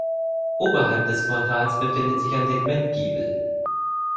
Oberhalb des Portals befindet sich ein Segmentgiebel.